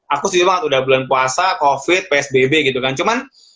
aku setuju banget udah bulan puasa covid psbb gitu kan cuman